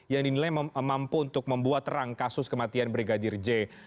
yang dinilai mampu untuk membuat terang kasus kematian brigadir j